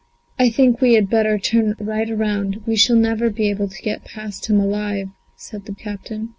"I think we had better turn right about, we shall never be able to get past him alive," said the captain.